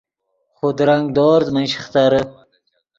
خودرنگ دورز من شیخترے